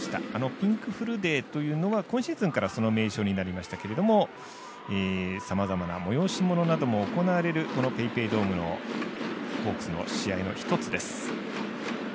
ピンクフルデーというのは今シーズンからその名称になりましたけどさまざまな催し物なども行われるこのＰａｙＰａｙドームのホークスの試合の一つです。